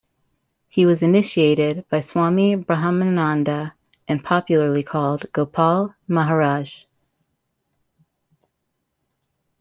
He was initiated by Swami Brahmananda and popularly called "Gopal Maharaj".